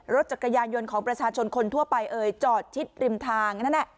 รถจักรยานยนต์ของประชาชนคนทั่วไปเอ่ยจอดชิดริมทางนั้น